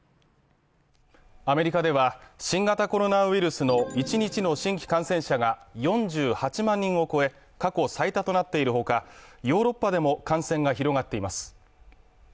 アメリカでは新型コロナウイルスの一日の新規感染者が４８万人を超え過去最多となっているほかヨーロッパでも、感染が広がっています。